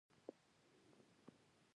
ته ده کوم ځای یې